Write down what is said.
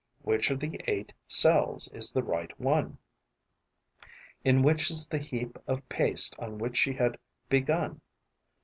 Which of the eight cells is the right one? In which is the heap of paste on which she had begun?